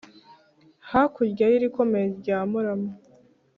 hakurya y'irikomeye rya murama,